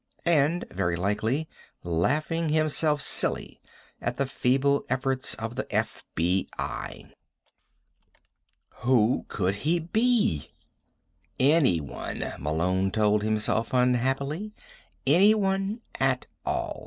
And, very likely, laughing himself silly at the feeble efforts of the FBI. Who could he be? Anyone, Malone told himself unhappily. _Anyone at all.